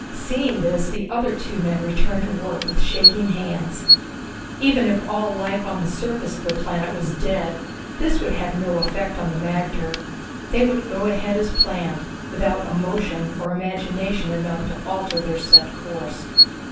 Seeing this, the other two men returned to work with shaking hands. Even if all life on the surface of the planet was dead, this would have no effect on the magter. They would go ahead as planned, without emotion or imagination enough to alter their set course.